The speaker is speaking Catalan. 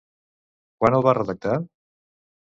Quan el va redactar?